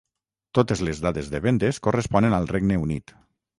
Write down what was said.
Totes les dades de vendes corresponen al Regne Unit.